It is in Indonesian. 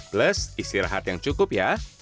plus istirahat yang cukup ya